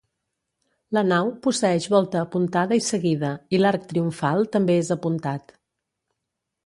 La nau posseeix volta apuntada i seguida i l'arc triomfal també és apuntat.